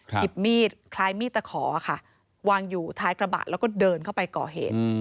หยิบมีดคล้ายมีดตะขอค่ะวางอยู่ท้ายกระบะแล้วก็เดินเข้าไปก่อเหตุ